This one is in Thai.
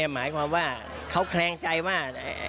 หมายความว่าเขาแคลงใจว่า